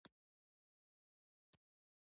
لکه سحر چې تر تیارو تیریږې